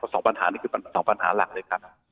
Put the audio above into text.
สองปัญหานี้คือ๒ปัญหาหลักเลยครับ